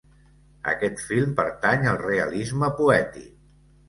Aquest film pertany al realisme poètic.